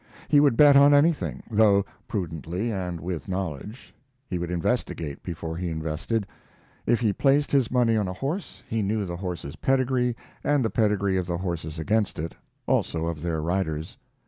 He would bet on anything, though prudently and with knowledge. He would investigate before he invested. If he placed his money on a horse, he knew the horse's pedigree and the pedigree of the horses against it, also of their riders.